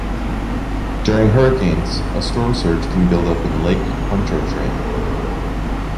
During hurricanes, a storm surge can build up in Lake Pontchartrain.